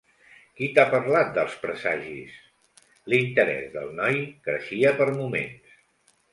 "Qui t'ha parlat dels presagis?". L'interès del noi creixia per moments.